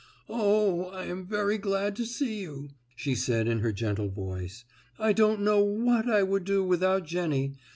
"Oh, I am very glad to see you," she said in her gentle voice. "I don't know what I would do without Jennie.